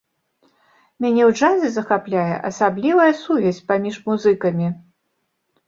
Мяне ў джазе захапляе асаблівая сувязь паміж музыкамі.